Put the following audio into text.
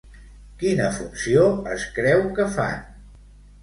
Quina funció es creu que fan?